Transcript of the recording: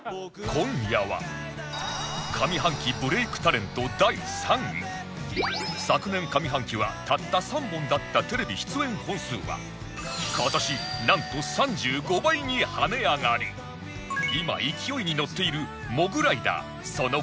今夜は昨年上半期はたった３本だったテレビ出演本数は今年なんと３５倍に跳ね上がり今勢いに乗っているモグライダーその